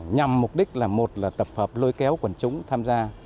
nhằm mục đích là một là tập hợp lôi kéo quần chúng tham gia